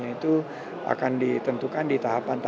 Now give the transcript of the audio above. ya tadi mas sandi bilang jangan